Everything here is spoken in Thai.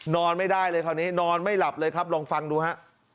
นอนไม่ได้เลยคราวนี้นอนไม่หลับเลยครับลองฟังดูฮะ